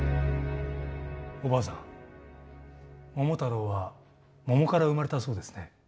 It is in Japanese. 桃太郎は桃から生まれたそうですね。